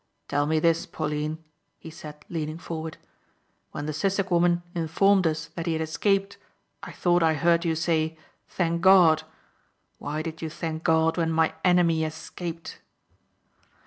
"Tell me this Pauline," he said leaning forward, "when the Sissek woman informed us that he had escaped I thought I heard you say 'Thank God.' Why did you thank God when my enemy escaped?"